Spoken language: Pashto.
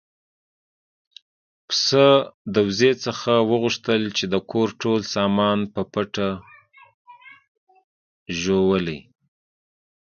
پسه د وزې څخه وغوښتل چې د کور ټول سامان په پټه ژوولی.